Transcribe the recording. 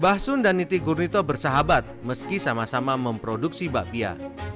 bah sun dan niti gurnito bersahabat meski sama sama memproduksi bakpia